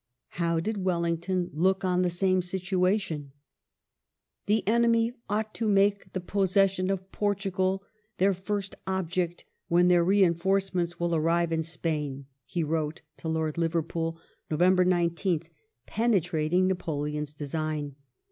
How did Wellington look on the same situation %" The enemy ought to make the possession of Portugal their first object when their reinforcements will arrive in Spain," he wrote to Lord Liverpool, November 19th, penetrating Napoleon's design.